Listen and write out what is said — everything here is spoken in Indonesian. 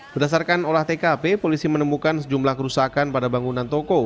berdasarkan olah tkp polisi menemukan sejumlah kerusakan pada bangunan toko